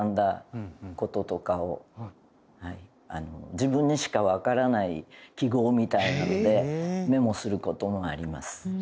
自分にしかわからない記号みたいなのでメモする事もあります。